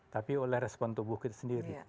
tapi oleh respon tubuh kita sendiri